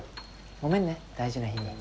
ごめんね大事な日に。